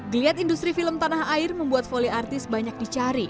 gliat industri film tanah air membuat polyartis banyak dicari